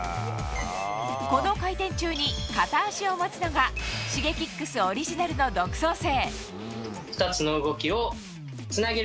この回転中に片足を持つのがＳｈｉｇｅｋｉｘオリジナルの独創性。